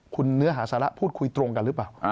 คุณเนื้อหาสาระพูดคุยตรงกันหรือเปล่า